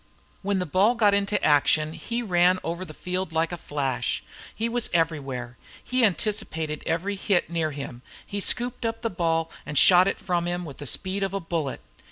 When the ball got into action he ran all over the field like a flash. He was everywhere. He anticipated every hit near him, and scooped up the ball and shot it from him, with the speed of a bullet.